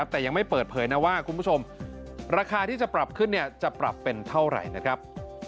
แต่ยังไม่เปิดเผยนะว่าคุณผู้ชมราคาที่จะปรับขึ้นจะปรับเป็นเท่าไหร่นะครับ